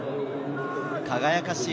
輝かしい